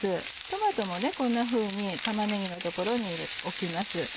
トマトもこんなふうに玉ねぎの所に置きます。